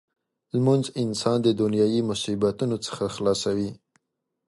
لمونځ انسان د دنیايي مصیبتونو څخه خلاصوي.